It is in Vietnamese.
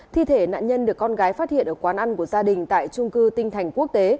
thi thể nạn nhân được con gái phát hiện ở quán ăn của gia đình tại trung cư tinh thành quốc tế